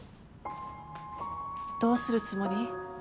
どうするつもり？